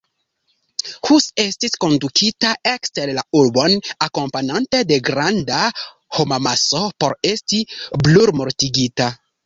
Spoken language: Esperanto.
Hus estis kondukita ekster la urbon, akompanate de granda homamaso, por esti brulmortigita.